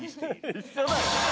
一緒だよ！